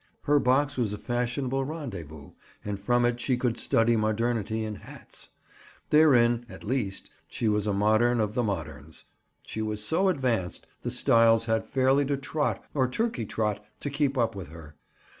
Her box was a fashionable rendezvous, and from it she could study modernity in hats. Therein, at least, she was a modern of the moderns. She was so advanced, the styles had fairly to trot, or turkey trot, to keep up with her.